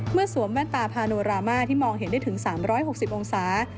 สวมแว่นตาพาโนรามาที่มองเห็นได้ถึง๓๖๐องศา